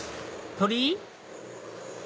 鳥居？